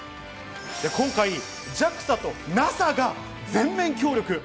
今回、ＪＡＸＡとＮＡＳＡが全面協力。